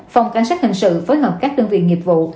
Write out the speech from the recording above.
phòng cảnh sát hình sự phối hợp các đơn vị nghiệp vụ